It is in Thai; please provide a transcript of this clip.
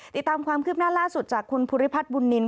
ติดตามความคืบหน้าล่าสุดจากคุณภูริพัฒน์บุญนิน